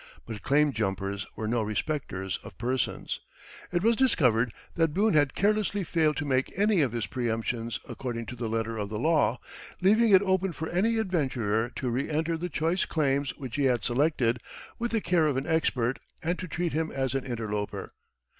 But claim jumpers were no respecters of persons. It was discovered that Boone had carelessly failed to make any of his preemptions according to the letter of the law, leaving it open for any adventurer to reenter the choice claims which he had selected with the care of an expert, and to treat him as an interloper.